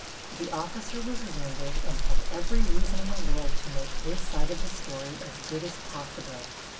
The officer was wounded and had every reason in the world to make his side of the story as good as possible.